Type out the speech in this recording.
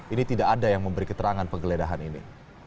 ini tidak ada yang memberi keterangan penggeledahan ini